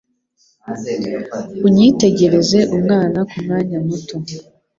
Unyitegereze umwana kumwanya muto.